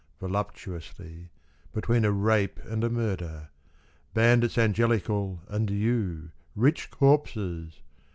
Voluptuously, between a rape and a murder. Bandits angelical and you, rich corpses